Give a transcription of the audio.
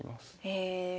へえ。